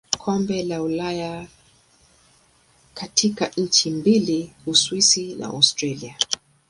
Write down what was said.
Kombe la Ulaya katika nchi mbili Uswisi na Austria.